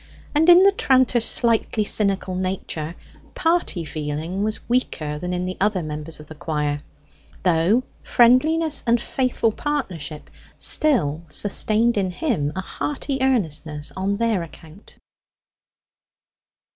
And in the tranter's slightly cynical nature, party feeling was weaker than in the other members of the choir, though friendliness and faithful partnership still sustained in him a hearty earnestness on their account.